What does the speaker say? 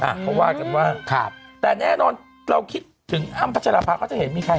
อ่ะเขาว่าจำว่าแต่แน่นอนเราคิดถึงอ้ำพัชรภาพก็จะเห็นมีใคร